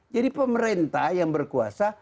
jadi pemerintah yang berkuasa